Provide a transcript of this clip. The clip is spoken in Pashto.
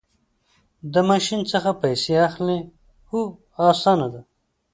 د ماشین څخه پیسې اخلئ؟ هو، اسانه ده